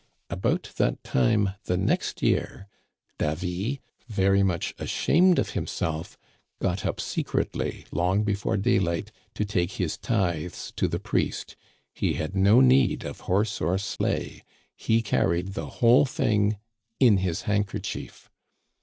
" About that time the next year Davy, very much ashamed of himself, got up secretly, long before day light, to take his tithes to the priest. He had no need of horse or sleigh. He carried the whole thing in his handkerchief.